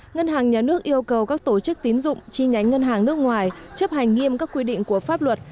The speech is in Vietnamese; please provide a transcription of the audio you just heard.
ngân hàng nhà nước yêu cầu các tổ chức tín dụng chi nhánh ngân hàng nước ngoài chấp hành nghiêm các quy định của pháp luật